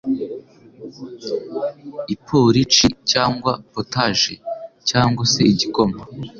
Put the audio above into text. iporici cyangwa “potaje” cyangwa se igikoma